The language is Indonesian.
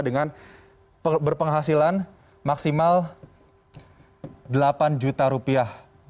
dengan berpenghasilan maksimal delapan juta rupiah